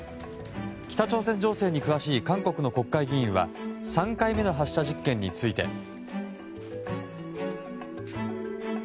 北朝鮮情勢に詳しい韓国の国会議員は３回目の発射実験について。